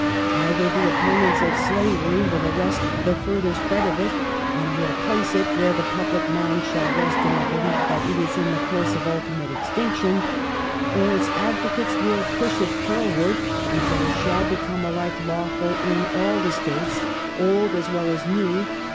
Either the opponents of slavery will arrest the further spread of it and will place it where the public mind shall rest in the belief that it is in the course of ultimate extinction, or its advocates will push it forward until it shall become alike lawful in all the States, old as well as new.